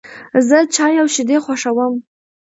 زه چای او شیدې خوښوم.